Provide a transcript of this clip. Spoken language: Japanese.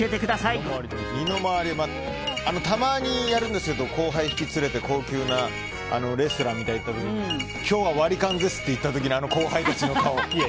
たまにやるんですけど後輩を引き連れて高級なレストランみたいなところ行った時に今日は割り勘ですと言った時のあの後輩たちの顔。